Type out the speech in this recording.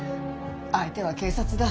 相手は警察だ。